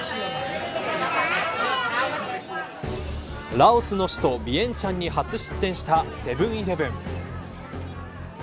ラオスの首都ビエンチャンに初出店したセブン‐イレブン。